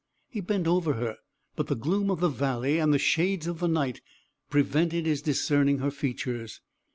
He bent over her; but the gloom of the valley and the shades of night prevented his discerning her features.